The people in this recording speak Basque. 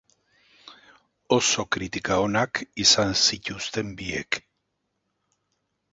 Oso kritika onak izan zituzten biek.